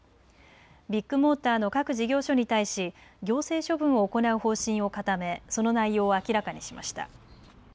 ビッグモーターの各事業所に対し行政処分を行う方針を固めその内容を明らかにしました。